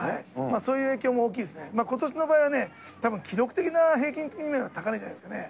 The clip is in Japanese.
そういう影響も大きいですね、ことしの場合は、たぶん記録的な高値じゃないですかね。